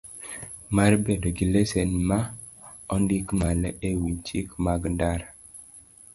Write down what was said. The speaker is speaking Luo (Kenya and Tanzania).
Mar bedo gi lesen ma ondik malo e wi chike mag ndara.